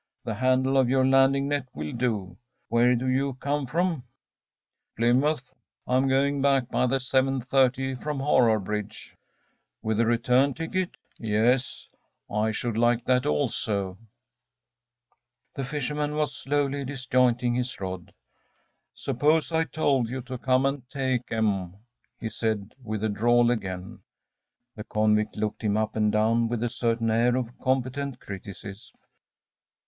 The handle of your landing net will do. Where do you come from?‚ÄĚ “Plymouth. I am going back by the seven thirty from Horrabridge.‚ÄĚ “With a return ticket?‚ÄĚ ‚ÄúYes.‚ÄĚ “I should like that also.‚ÄĚ The fisherman was slowly disjointing his rod. “Suppose I told you to come and take 'em?‚ÄĚ he said, with the drawl again. The convict looked him up and down with a certain air of competent criticism.